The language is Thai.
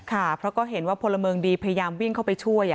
ค่ะเพราะก็เห็นว่าพลเมืองดีพยายามวิ่งเข้าไปช่วย